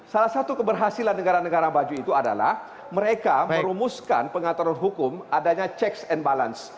salah satu keberhasilan negara negara maju itu adalah mereka merumuskan pengaturan hukum adanya checks and balance